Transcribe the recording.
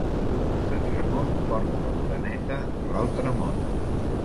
Sant Ramon porta l'oreneta de l'altre món.